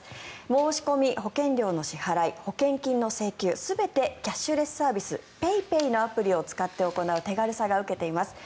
申し込み、保険料の支払い保険金の請求全てキャッシュレスサービスＰａｙＰａｙのアプリを使って行う手軽さが受けています。